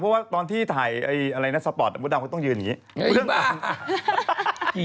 เพราะว่าตอนที่ถ่ายอะไรนะสปอร์ตมดดำก็ต้องยืนอย่างนี้